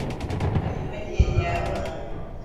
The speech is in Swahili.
Majimaji yenye harufu